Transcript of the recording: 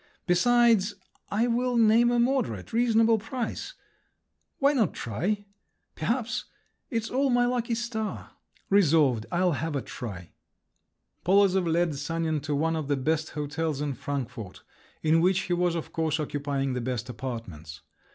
Besides, I will name a moderate, reasonable price! Why not try? Perhaps, it's all my lucky star…. Resolved! I'll have a try!" Polozov led Sanin to one of the best hotels in Frankfort, in which he was, of course, occupying the best apartments.